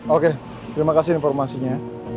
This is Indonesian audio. oke terima kasih informasinya